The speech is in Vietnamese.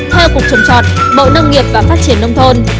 theo cục chống chọt bộ nông nghiệp và phát triển nông thôn